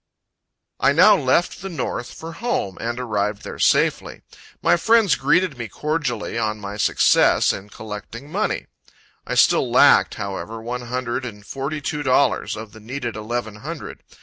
I now left the north, for home, and arrived there safely. My friends greeted me cordially on my success in collecting money. I still lacked, however, one hundred and forty two dollars of the needed eleven hundred.